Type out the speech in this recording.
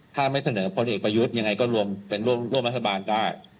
ถ้าไม่เสนอพลเอกประยุทธ์ยังไงก็รวมเป็นร่วมรัฐบาลได้